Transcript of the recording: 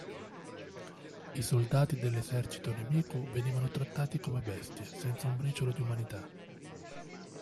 I soldati dell'esercito nemico venivano trattati come bestie, senza un briciolo di umanità.